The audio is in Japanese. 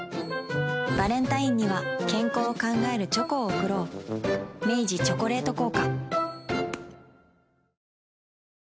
バレンタインには健康を考えるチョコを贈ろう明治「チョコレート効果」